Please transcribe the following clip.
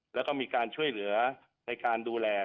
แล้วก็มีการช่วยเหลือในการดูแล